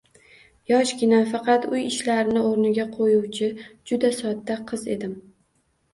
Yoshgina, faqat uy ishlarini o`rniga qo`yuvchi, juda sodda qiz edim